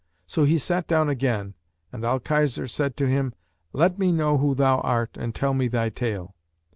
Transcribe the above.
So he sat down again, and Al Khizr said to him, 'Let me know who thou art and tell me thy tale.'